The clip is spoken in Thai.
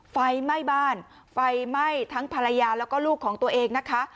ไฟไหม้บ้านไฟไหม้ทั้งภรรยาแล้วก็ลูกของตัวเองนะคะ